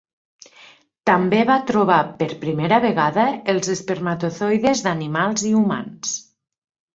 També va trobar per primera vegada els espermatozoides d'animals i humans.